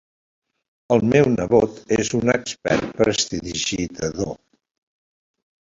El meu nebot és un expert prestidigitador.